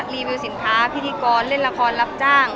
รีวิวสินค้าพิธีกรเล่นละครรับจ้าง